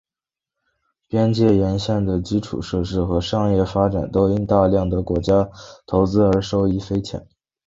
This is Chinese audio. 边界沿线的基础设施和商业发展都因大量的国家投资而受益匪浅。